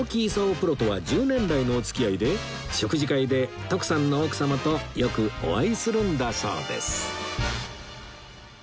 プロとは１０年来のお付き合いで食事会で徳さんの奥様とよくお会いするんだそうです